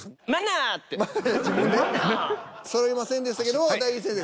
そろいませんでしたけども大吉先生